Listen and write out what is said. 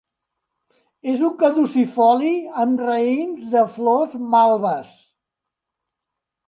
És un caducifoli amb raïms de flors malves.